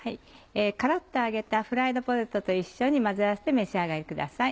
カラっと揚げたフライドポテトと一緒に混ぜ合わせて召し上がりください。